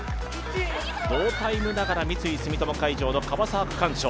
同タイムながら三井住友海上の樺沢、区間賞。